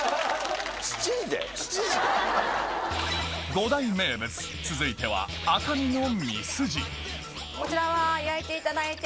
五大名物続いては赤身のみすじこちらは焼いていただいて。